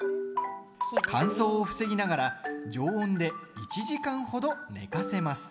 乾燥を防ぎながら常温で１時間ほど寝かせます。